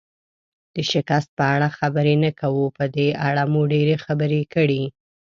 د شکست په اړه خبرې نه کوو، په دې اړه مو ډېرې خبرې کړي.